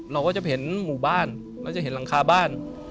เราก็จะเห็นหมู่บ้านเราจะเห็นหลังคาบ้าน